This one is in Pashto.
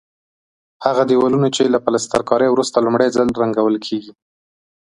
هغه دېوالونه چې له پلسترکارۍ وروسته لومړی ځل رنګول کېږي.